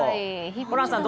ホランさん